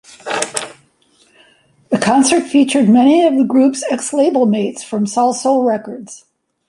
The concert featured many of the group's ex-label mates from Salsoul records.